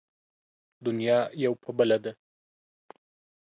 دنيا يو په بله ده.